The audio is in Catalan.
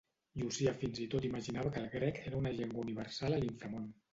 Llucià fins i tot imaginava que el grec era la llengua universal a l'Inframón.